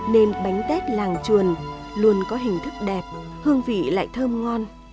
nên bánh tết làng chuồn luôn có hình thức đẹp hương vị lại thơm ngon